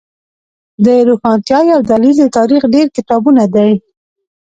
د روښانتیا یو دلیل د تاریخ ډیر کتابونه دی